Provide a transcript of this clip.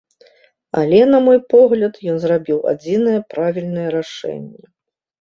Але, на мой погляд, ён зрабіў адзінае правільнае рашэнне.